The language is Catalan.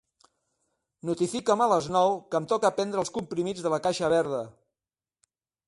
Notifica'm a les nou que em toca prendre els comprimits de la caixa verda.